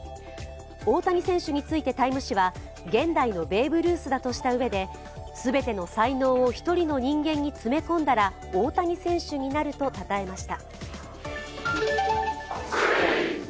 大谷選手について「タイム」誌は現代のベーブ・ルースだとしたうえで、全ての才能を１人の人間に詰め込んだら大谷選手になるとたたえました。